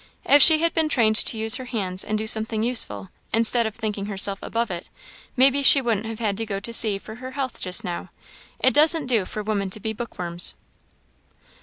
If she had been trained to use her hands and do something useful, instead of thinking herself above it, maybe she wouldn't have had to go to sea for her health just now; it doesn't do for women to be bookworms."